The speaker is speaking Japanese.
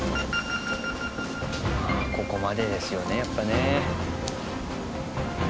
ああここまでですよねやっぱね。